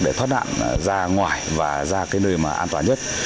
để thoát nạn ra ngoài và ra nơi an toàn nhất